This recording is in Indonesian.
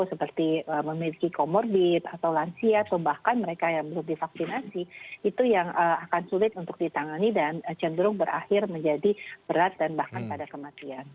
jadi memiliki komorbid atau lansia atau bahkan mereka yang belum divaksinasi itu yang akan sulit untuk ditangani dan cenderung berakhir menjadi berat dan bahkan pada kematian